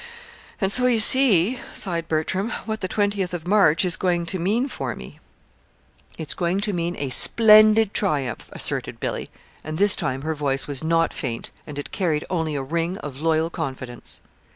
"And so you see," sighed Bertram, "what the twentieth of March is going to mean for me." "It's going to mean a splendid triumph!" asserted Billy; and this time her voice was not faint, and it carried only a ring of loyal confidence.